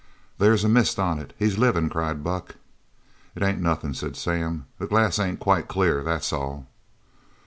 "They's a mist on it! He's livin'!" cried Buck. "It ain't nothing," said Sam. "The glass ain't quite clear, that's all."